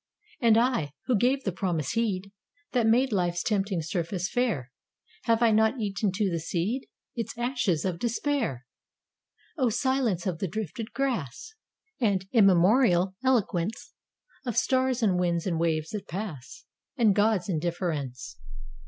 And I, who gave the promise heed That made life's tempting surface fair, Have I not eaten to the seed Its ashes of despair! O silence of the drifted grass! And immemorial eloquence Of stars and winds and waves that pass! And God's indifference!